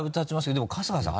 でも春日さん